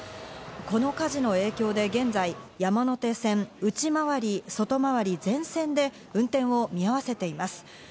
この火事の影響で現在、山手線内回り・外回り全線で運転を見合わせています。